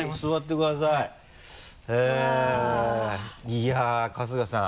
いやっ春日さん。